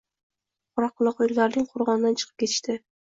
Qoraquroqliklarning qo‘rg‘ondan chiqib ketishdi